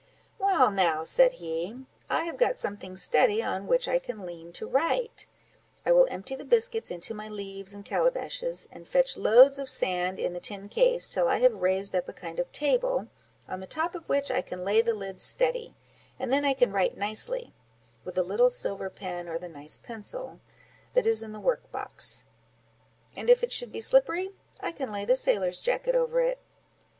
"Well now," said he, "I have got something steady on which I can lean to write. I will empty the biscuits into my leaves and calabashes, and fetch loads of sand in the tin case, till I have raised up a kind of table, on the top of which I can lay the lid steady, and then I can write nicely, with the little silver pen, or the nice pencil, that is in the work box; and if it should be slippery, I can lay the sailor's jacket over it."